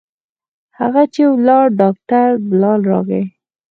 هغه چې ولاړ ډاکتر بلال راغى.